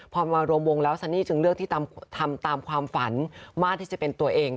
พอมารวมวงแล้วซันนี่จึงเลือกที่ทำตามความฝันมากที่จะเป็นตัวเอง